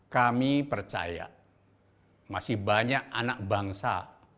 kami percaya masih banyak anak bangsa